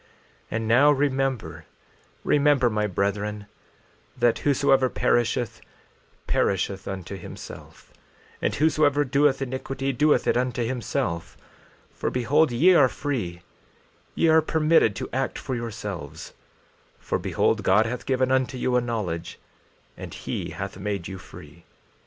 14:30 And now remember, remember, my brethren, that whosoever perisheth, perisheth unto himself; and whosoever doeth iniquity, doeth it unto himself; for behold, ye are free; ye are permitted to act for yourselves; for behold, God hath given unto you a knowledge and he hath made you free.